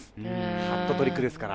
ハットトリックですから。